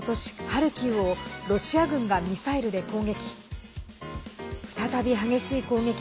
ハルキウをロシア軍がミサイルで攻撃。